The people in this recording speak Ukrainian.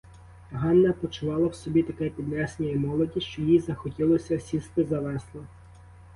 Ганна почувала в собі таке піднесення й молодість, що їй захотілося сісти за весла.